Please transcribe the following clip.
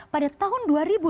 pada tahun dua ribu dua